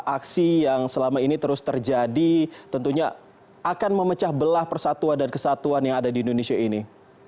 aksi yang selama ini terus terjadi tentunya akan memecah belah persatuan dan kesatuan yang ada di indonesia ini